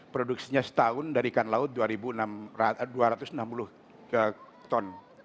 produksinya setahun dari ikan laut dua ratus enam puluh ton